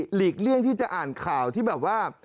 หลีกเลี่ยงที่จะอ่านข่าวที่แบบว่า